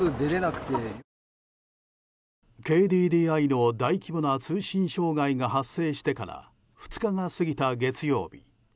ＫＤＤＩの大規模な通信障害が発生してから２日が過ぎた月曜日。